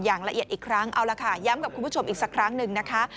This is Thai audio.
อย่างละเอียดอีกครั้งเอาละค่ะย้ำกับคุณผู้ชมอีกสักครั้งหนึ่งนะคะ